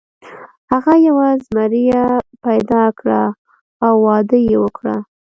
هغه یوه زمریه پیدا کړه او واده یې وکړ.